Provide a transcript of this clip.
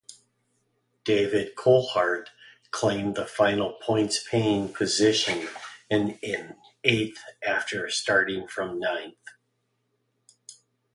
David Coulthard claimed the final points-paying position in eighth after starting from ninth.